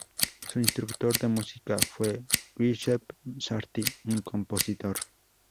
Su instructor de música fue Giuseppe Sarti, un compositor.